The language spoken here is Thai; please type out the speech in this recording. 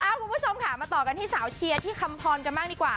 คุณผู้ชมค่ะมาต่อกันที่สาวเชียร์ที่คำพรกันบ้างดีกว่า